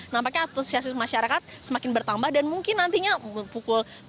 nampaknya antusias masyarakat semakin bertambah dan mungkin nantinya pukul